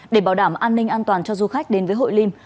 để bảo đảm an ninh an toàn cho du khách đến với hội lim